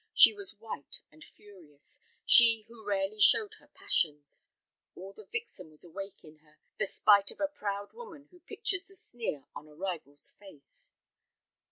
She was white and furious, she who rarely showed her passions. All the vixen was awake in her, the spite of a proud woman who pictures the sneer on a rival's face.